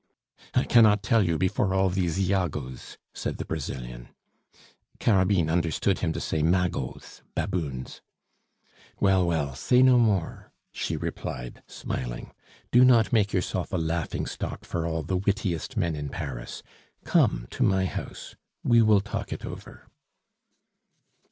"I cannot tell you before all these Iagos," said the Brazilian. Carabine understood him to say magots (baboons). "Well, well, say no more!" she replied, smiling. "Do not make yourself a laughing stock for all the wittiest men in Paris; come to my house, we will talk it over."